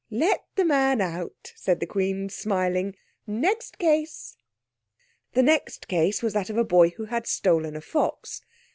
"Let the man out," said the Queen, smiling. "Next case." The next case was that of a boy who had stolen a fox.